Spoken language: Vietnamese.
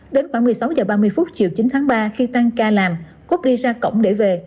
đến khoảng một mươi sáu h ba mươi phút chiều chín tháng ba khi tăng ca làm cút đi ra cổng để về